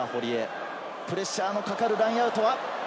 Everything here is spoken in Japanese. プレッシャーのかかるラインアウト、堀江。